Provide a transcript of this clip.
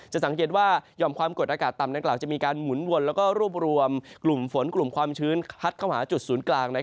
สังเกตว่ายอมความกดอากาศต่ำดังกล่าวจะมีการหมุนวนแล้วก็รวบรวมกลุ่มฝนกลุ่มความชื้นพัดเข้าหาจุดศูนย์กลาง